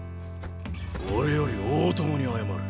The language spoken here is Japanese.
俺より大友に謝れ。